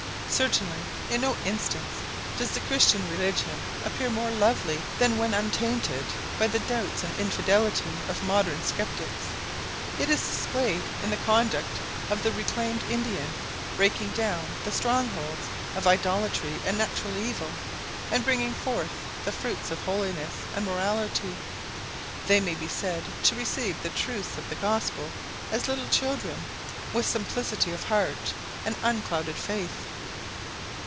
Certainly in no instance does the Christian religion appear more lovely than when, untainted by the doubts and infidelity of modern sceptics, it is displayed in the conduct of the reclaimed Indian breaking down the strong holds of idolatry and natural evil, and bringing forth the fruits of holiness and morality. They may be said to receive the truths of the Gospel as little children, with simplicity of heart and unclouded faith.